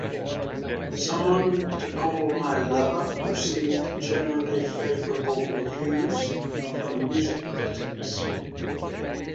"Someone to Call My Lover" received generally favorable reviews from music critics.